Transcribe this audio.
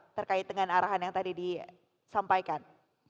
apa kait dengan arahan yang tadi disampaikan